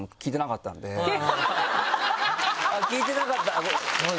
あっ聞いてなかった？